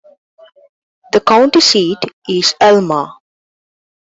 The county seat is Alma.